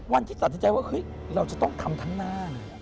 วันที่สัจใจว่าเราจะต้องทำทั้งหน้า